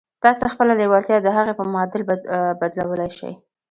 تاسې خپله لېوالتیا د هغې په معادل بدلولای شئ